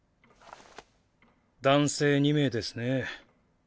男性２名ですね。